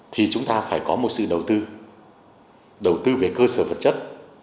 thì chúng ta phải có một sự đầu tư đầu tư về cơ sở vật chất